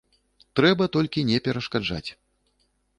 Трэба толькі не перашкаджаць.